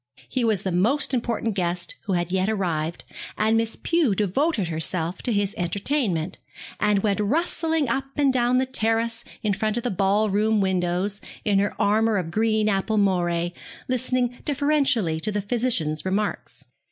He was the most important guest who had yet arrived, and Miss Pew devoted herself to his entertainment, and went rustling up and down the terrace in front of the ballroom windows in her armour of apple green moiré, listening deferentially to the physician's remarks.